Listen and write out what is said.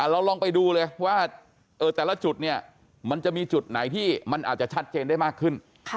ลองไปดูเลยว่าแต่ละจุดเนี่ยมันจะมีจุดไหนที่มันอาจจะชัดเจนได้มากขึ้น